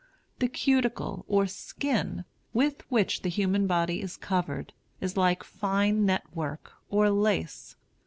The cuticle, or skin, with which the human body is covered, is like fine net work, or lace.